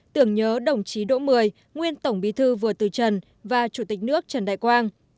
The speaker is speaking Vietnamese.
tưởng nhớ đồng chí đỗ mười nguyên tổng bí thư vừa từ trần và chủ tịch nước trần đại quang